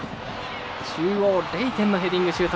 中央、レイテンのヘディングシュート